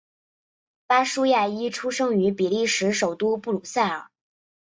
巴舒亚伊出生于比利时首都布鲁塞尔。